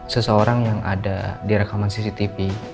seseorang yang ada di rekaman cctv